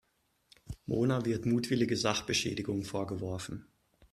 Mona wird mutwillige Sachbeschädigung vorgeworfen.